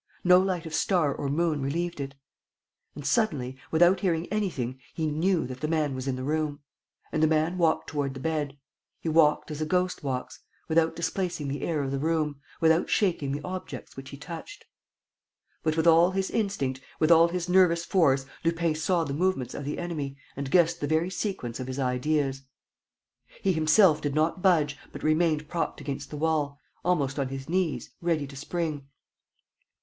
No light of star or moon relieved it. And, suddenly, without hearing anything, he knew that the man was in the room. And the man walked toward the bed. He walked as a ghost walks, without displacing the air of the room, without shaking the objects which he touched. But, with all his instinct, with all his nervous force, Lupin saw the movements of the enemy and guessed the very sequence of his ideas. He himself did not budge, but remained propped against the wall, almost on his knees, ready to spring.